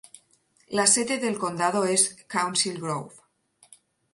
La sede del condado es Council Grove.